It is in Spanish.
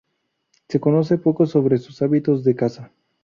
Se conoce poco sobre sus hábitos de caza.